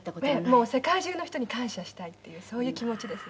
「もう世界中の人に感謝したいっていうそういう気持ちですね」